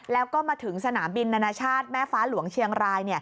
แล้วก็มาถึงสนามบินนานาชาติแม่ฟ้าหลวงเชียงราย